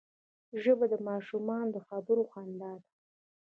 ژبه د ماشومانو د خبرو خندا ده